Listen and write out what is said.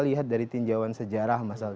lihat dari tinjauan sejarah masalah